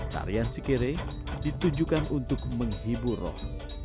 tarian sikere ditujukan untuk menghibur roh